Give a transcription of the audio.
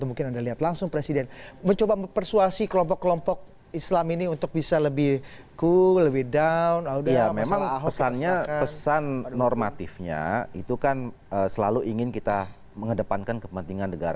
masa presiden nggak bisa mengakses